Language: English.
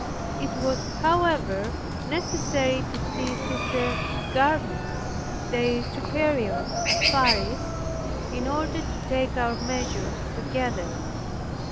It was, however, necessary to see Sister Garnier, their superior at Paris, in order to take our measures together.